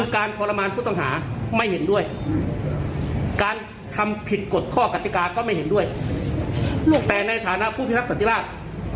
การทำผิดกฎข้อกรรติกาก็ไม่เห็นด้วยแต่ในฐานะผู้พิทักษ์สันติราช